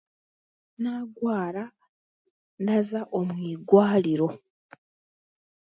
Naagwara ndaza omu igwariro